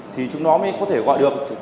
thì chúng nó mới có thể gọi được